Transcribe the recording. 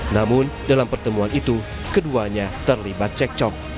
namun dalam pertemuan itu keduanya terlibat cekcok